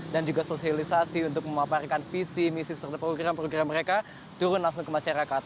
dan juga sosialisasi untuk memaparkan visi misi serta program program mereka turun langsung ke masyarakat